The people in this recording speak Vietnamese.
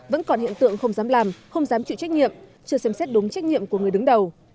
vẫn còn hiện tượng không dám làm không dám chịu trách nhiệm chưa xem xét đúng trách nhiệm của người đứng đầu